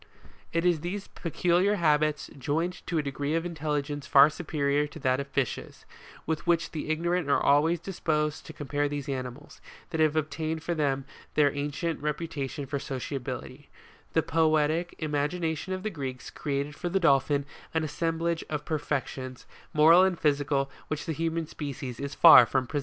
It is these peculiar habits, joined to a degree of intelligence far superior to that of fishes, with which the ignorant are always disposed to compare these animals, that have obtained for them their ancient reputation for sociability ; the poetic im agination of the Greeks created for the Dolphin an assemblage of perfections, moral and physical, which the human species is far from possessing.